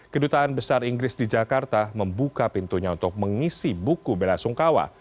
kedutaan besar inggris di jakarta membuka pintunya untuk mengisi buku bella sungkawa